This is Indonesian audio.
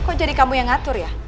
kok jadi kamu yang ngatur ya